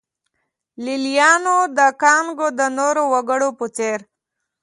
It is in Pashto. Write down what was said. لېلیانو د کانګو د نورو وګړو په څېر.